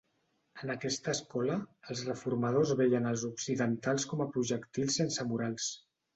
En aquesta escola, els reformadors veien els occidentals com a projectils sense morals.